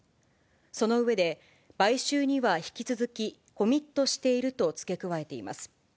その上で、買収には引き続きコミットしていると付け加えています。